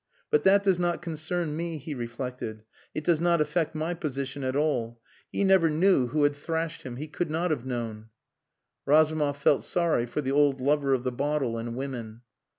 "But that does not concern me," he reflected. "It does not affect my position at all. He never knew who had thrashed him. He could not have known." Razumov felt sorry for the old lover of the bottle and women.